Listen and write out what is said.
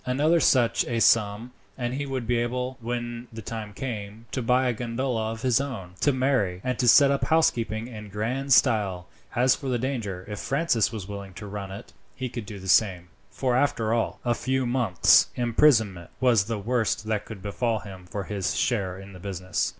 Another such a sum, and he would be able, when the time came, to buy a gondola of his own, to marry, and set up housekeeping in grand style. As for the danger, if Francis was willing to run it he could do the same; for after all, a few months' imprisonment was the worst that could befall him for his share in the business.